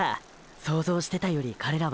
想像してたより彼らは。